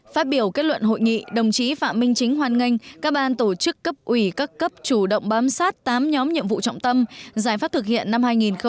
phát biểu kết luận hội nghị đồng chí phạm minh chính hoan nghênh các ban tổ chức cấp ủy các cấp chủ động bám sát tám nhóm nhiệm vụ trọng tâm giải pháp thực hiện năm hai nghìn hai mươi